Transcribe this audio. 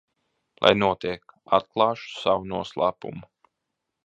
Lai notiek, atklāšu savu noslēpumu.